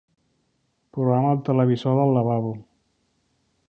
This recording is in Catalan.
Programa el televisor del lavabo.